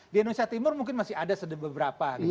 di indonesia timur mungkin masih ada beberapa